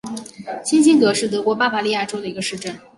金钦格是德国巴伐利亚州的一个市镇。